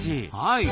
はい。